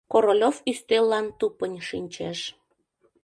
Королёв ӱстеллан тупынь шинчеш.